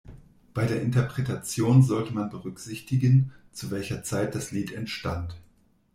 Bei der Interpretation sollte man berücksichtigen, zu welcher Zeit das Lied entstand.